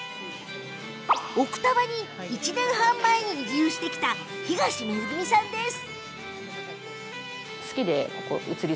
奥多摩に１年半前に移住してきた東めぐみさんです。